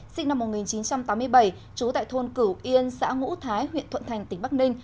sinh năm một nghìn chín trăm tám mươi bảy trú tại thôn cửu yên xã ngũ thái huyện thuận thành tỉnh bắc ninh